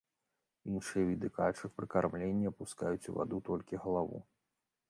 Іншыя віды качак пры кармленні апускаюць у ваду толькі галаву.